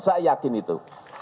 saya yakin itu